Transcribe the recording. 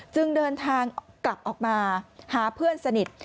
จึงเดินทางกลับออกมาหาเพื่อนสนิท